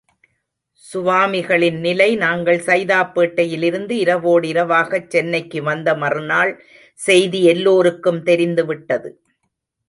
சுவாமிகளின் நிலை நாங்கள் சைதாப்பேட்டையிலிருந்து இரவோடிரவாகச் சென்னைக்கு வந்த மறுநாள், செய்தி எல்லோருக்கும் தெரிந்து விட்டது.